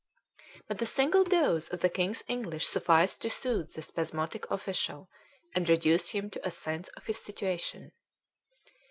But a single dose of the King's English sufficed to soothe the spasmodic official, and reduce him to "a sense of his situation."